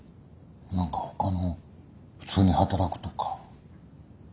何かほかの普通に働くとか。